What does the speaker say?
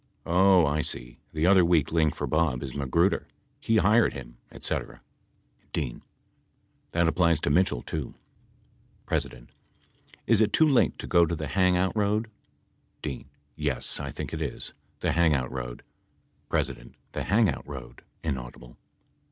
Oh, I see. The other weak link for Bob is Magruder, he hired him et cetera. D. That applies to Mitchell, too. [pp. 146 47.] ❖P. Is it too late to go the hang out road ? D. Yes, I think it is. The hang out road P. The hang out road. [inaudible]